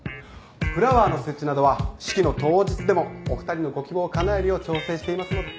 フラワーの設置などは式の当日でもお二人のご希望をかなえるよう調整していますので。